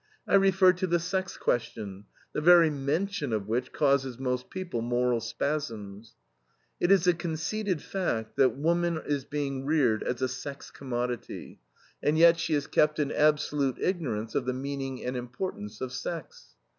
I refer to the sex question, the very mention of which causes most people moral spasms. It is a conceded fact that woman is being reared as a sex commodity, and yet she is kept in absolute ignorance of the meaning and importance of sex.